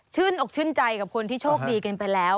อกชื่นใจกับคนที่โชคดีกันไปแล้ว